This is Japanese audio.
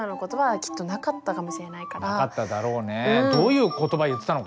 なかっただろうね。